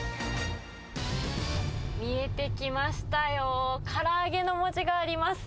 見えてきましたよ、からあげの文字があります。